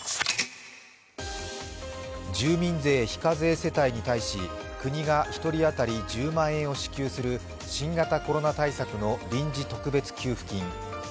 住民税非課税世帯に対し国が１人当たり１０万円を支給する新型コロナ対策の臨時特別給付金。